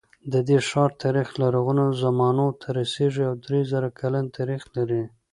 د دې ښار تاریخ لرغونو زمانو ته رسېږي او درې زره کلن تاریخ لري.